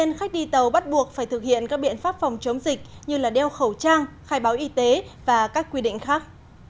tuy nhiên khách đi tàu bắt buộc phải thực hiện các biện pháp phòng chống dịch như đeo khẩu trang khai báo y tế và các quy định khác